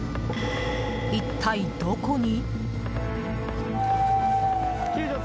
一体どこに？